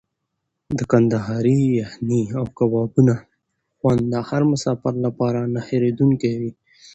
د کندهاري یخني او کبابونو خوند د هر مسافر لپاره نه هېرېدونکی وي.